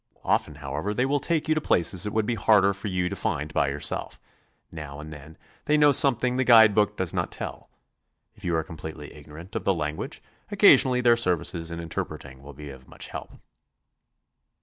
Often, however, they will take you to places it would be harder for you to find by yourself; now and then they know something the guide book does not tell; if you are completely ignorant of the language, occasionally their services in interpreting will be of much help.